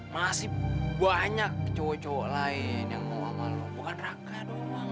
masih banyak cowok cowok lain yang mau sama lo bukan raka doang